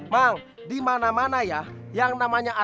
mak di mana mana ya yang namanya aturan